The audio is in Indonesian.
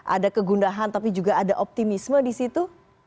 ada kegundahan tapi juga ada optimisme disitu